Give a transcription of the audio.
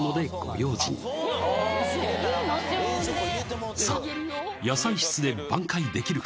常温でさあ野菜室で挽回できるか？